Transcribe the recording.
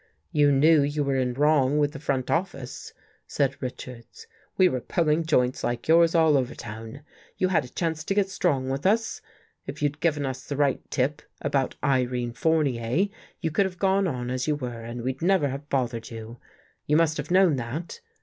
"You knew you were in wrong with the front of fice," said Richards. " We were pulling joints like yours all over town. You had a chance to get strong with us. If you'd given us the right tip about Irene Fournier, you could have gone on as you were and we'd never have bothered you. You must have known that.